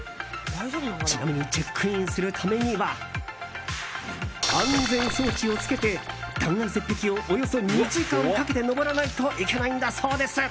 ちなみにチェックインするためには安全装置を付けて断崖絶壁をおよそ２時間かけて登らないといけないんだそうです。